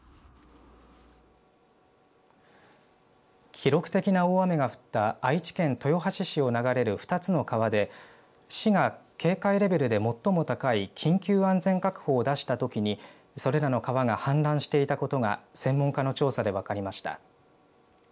記録的な大雨が降った愛知県豊橋市を流れる２つの川で市が警戒レベルで最も高い緊急安全確保を出したときにそれらの川が氾濫していたことが専門家の調査で分かりました。